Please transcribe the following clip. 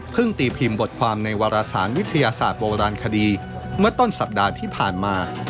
ตีพิมพ์บทความในวารสารวิทยาศาสตร์โบราณคดีเมื่อต้นสัปดาห์ที่ผ่านมา